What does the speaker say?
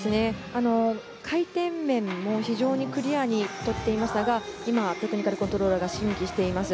回転面も非常にクリアにとっていましたが今、テクニカルコントローラーが審議しています。